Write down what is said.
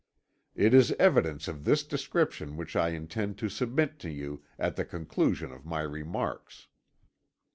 It is evidence of this description which I intend to submit to you at the conclusion of my remarks.